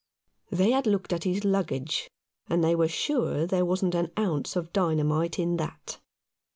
They had looked at his luggage, and they were sure there wasn't an ounce of dynamite in that.